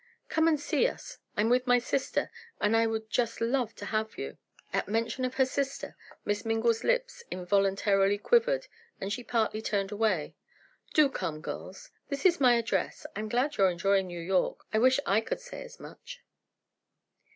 Come and see us—I'm with my sister, and I would just love to have you." At mention of her sister, Miss Mingle's lips involuntarily quivered and she partly turned away. "Do come, girls, this is my address. I'm glad you're enjoying New York; I wish I could say as much."